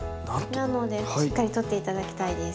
なのでしっかり取って頂きたいです。